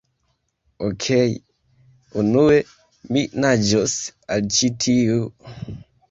Okej. Unue mi naĝos al ĉi tiu...